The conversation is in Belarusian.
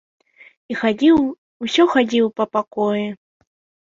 І хадзіў, усё хадзіў па пакоі.